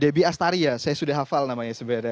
debbie astari ya saya sudah hafal namanya sebenarnya